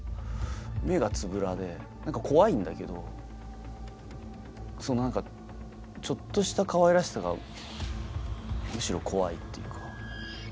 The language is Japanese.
目がつぶらで怖いんだけど何かちょっとしたかわいらしさがむしろ怖いっていうか。